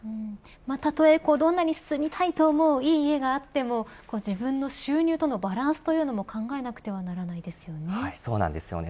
例えどんなに住みたいと思ういい家があっても自分の収入とのバランスというのもそうなんですよね。